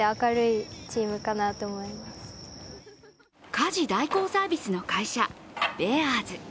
家事代行サービスの会社、ベアーズ。